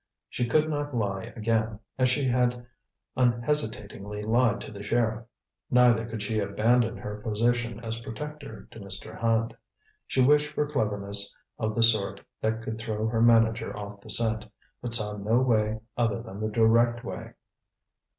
She could not lie again, as she had unhesitatingly lied to the sheriff; neither could she abandon her position as protector to Mr. Hand. She wished for cleverness of the sort that could throw her manager off the scent, but saw no way other than the direct way.